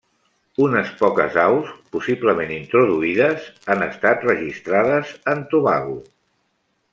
Unes poques aus, possiblement introduïdes, han estat registrades en Tobago.